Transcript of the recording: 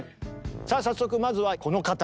さあ早速まずはこの方。